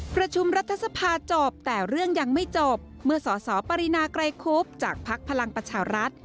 ประชุมรัฐสภาจบแต่เรื่องยังไม่จบเมื่อสสปรินาไกรคุบจากภักดิ์พลังประชารัฐ